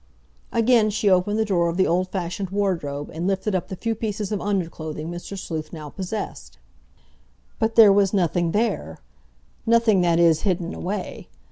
Again she opened the drawer of the old fashioned wardrobe and lifted up the few pieces of underclothing Mr. Sleuth now possessed. But there was nothing there—nothing, that is, hidden away.